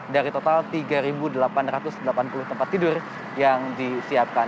dari total tiga delapan ratus delapan puluh tempat tidur yang disiapkan